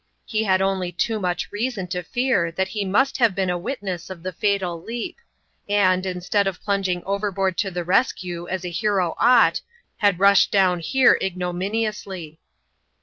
He had only too much reason to fear that he must have been a witness of the fatal leap ; and, instead of plunging overboard to the rescue as a hero ought, had rushed down here ignominiously.